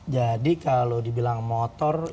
jadi kalau dibilang motor itu